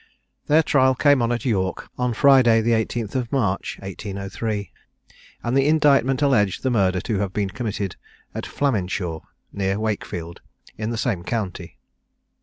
Their trial came on at York, on Friday the 18th of March 1803; and the indictment alleged the murder to have been committed at Flaminshaw, near Wakefield, in the same county.